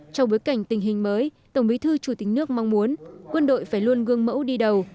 trong bối cảnh tình hình mới tổng bí thư chủ tịch nước mong muốn quân đội phải luôn gương mẫu đi đầu